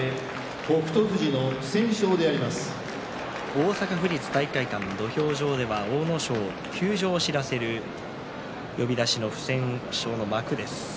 大阪府立体育会館土俵上では阿武咲休場を知らせる不戦勝の幕です。